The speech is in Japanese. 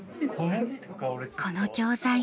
この教材